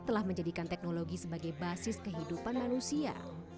telah menjadikan teknologi sebagai basis kehidupan manusia